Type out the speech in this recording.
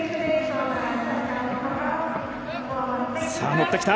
乗ってきた！